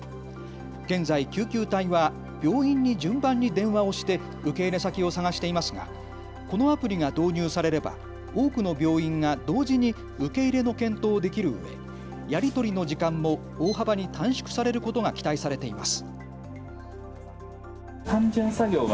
現在、救急隊は病院に順番に電話をして受け入れ先を探していますがこのアプリが導入されれば多くの病院が同時に受け入れの検討をできるうえ、やり取りの時間も大幅に短縮されることが期待されています。